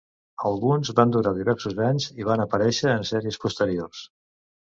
Alguns van durar diversos anys i van aparèixer en sèries posteriors.